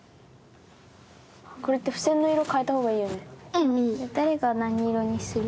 うんうん。